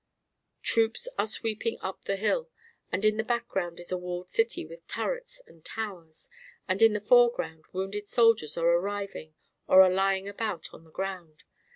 Troops are sweeping up the hill, and in the background is a walled city with turrets and towers; and in the foreground wounded soldiers are arriving or are lying about on the ground.